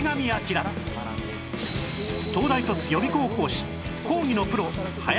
東大卒予備校講師